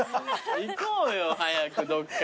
行こうよ早くどっかに。